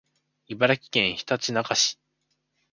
茨城県ひたちなか市